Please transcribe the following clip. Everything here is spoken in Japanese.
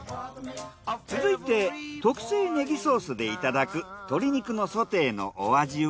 続いて特製ネギソースでいただく鶏肉のソテーのお味は？